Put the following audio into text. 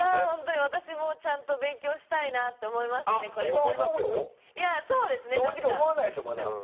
本当に私もちゃんと勉強したいなって思いますね。